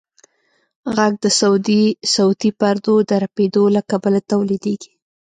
غږ د صوتي پردو د رپېدو له کبله تولیدېږي.